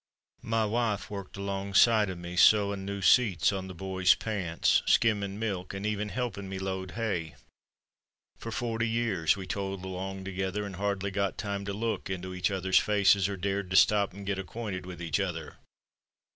My wife worked alongside o' me sewin' new seats on the boys' pants, skimmin' milk and even helpin' me load hay. For forty years we toiled along to gether and hardly got time to look into each others' faces or dared to stop and get acquainted with each other.